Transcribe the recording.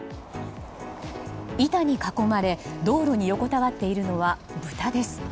板に囲まれ、道路に横たわっているのはブタです。